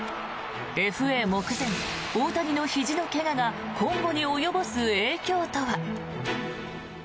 ＦＡ目前、大谷のひじの怪我が今後に及ぼす影響とは。